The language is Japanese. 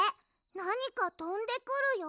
なにかとんでくるよ。